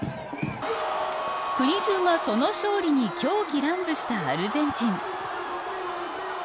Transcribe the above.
国中がその勝利に狂喜乱舞したアルゼンチン。